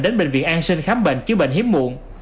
đến bệnh viện an sinh khám bệnh chứa bệnh hiếm muộn